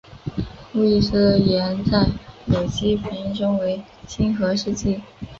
路易斯碱在有机反应中为亲核试剂。